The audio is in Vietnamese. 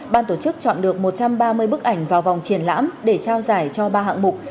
ban tổ chức chọn được một trăm ba mươi bức ảnh vào vòng triển lãm để trao giải cho ba hạng mục